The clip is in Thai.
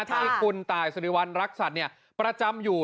ที่คุณตายสุริวัณรักษัตริย์ประจำอยู่